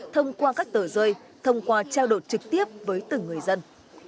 thông qua các tờ rơi thông qua trao đột trực tiếp với từng người dân